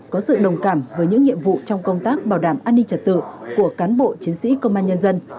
có sự đồng cảm với những nhiệm vụ trong công tác bảo đảm an ninh trật tự của cán bộ chiến sĩ công an nhân dân